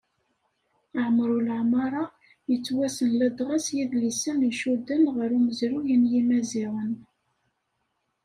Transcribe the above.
Ɛmer Uleɛmaṛa, yettwassen ladɣa s yidlisen icudden ɣer umezruy n yimaziɣen.